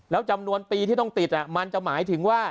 แล้วจำนวนปีที่ต้องติดมันจะหมายถึงว่า